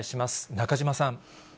中島さん。